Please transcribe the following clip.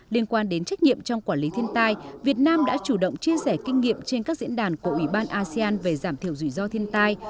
liên quan đến trách nhiệm trong quản lý thiên tai việt nam đã chủ động chia sẻ kinh nghiệm trên các diễn đàn của ủy ban asean về giảm thiểu rủi ro thiên tai